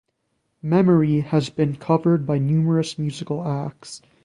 "Memory" has been covered by numerous musical acts.